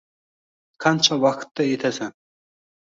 Qancha vaqtda etasan